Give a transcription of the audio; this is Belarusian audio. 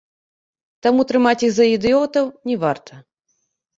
Таму трымаць іх за ідыётаў не варта.